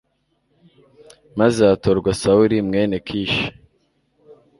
maze hatorwa sawuli mwene kishi